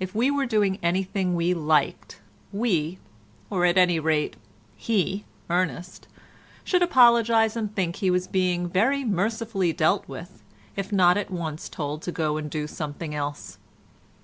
If we were doing anything we liked, we, or at any rate he, Ernest, should apologise and think he was being very mercifully dealt with, if not at once told to go and do something else.